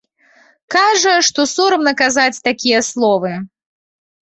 Кажа, што сорамна казаць такія словы.